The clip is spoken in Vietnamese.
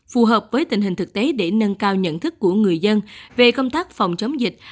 phù hợp với tình hình thực tế để nâng cao nhận thức của người dân về công tác phòng chống dịch